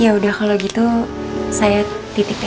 ya udah kalau gitu saya titip ya